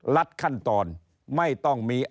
ลัดขั้นตอนไม่ต้องมี